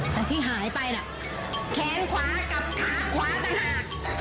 แต่ที่หายไปน่ะแขนขวากับขาขวาต่างหาก